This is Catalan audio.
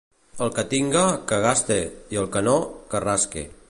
El que tinga, que gaste, i el que no, que rasque.